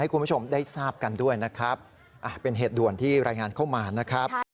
คุณผู้ชมได้ทราบกันด้วยนะครับเป็นเหตุด่วนที่รายงานเข้ามานะครับ